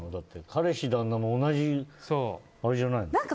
彼氏、旦那も同じあれじゃないの？